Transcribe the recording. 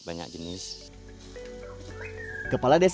pembangunan berkompensasi berupa hewan ternak